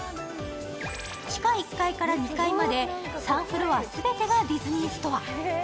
地下１階から２階まで３フロアすべてがディズニーストア。